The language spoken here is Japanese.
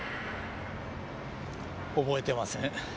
覚えてません。